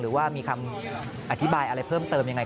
หรือว่ามีคำอธิบายอะไรเพิ่มเติมยังไง